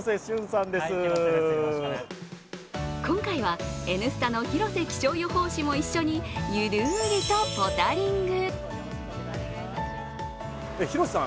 今回は「Ｎスタ」の広瀬気象予報士も一緒にゆるりとポタリング。